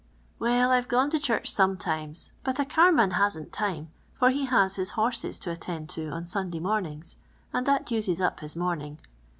" Well, I 've gone' to church sometimes, but a carman hasn't time, for he has his horses to attend to on Sunday mornings, and that uses sip his morn ing.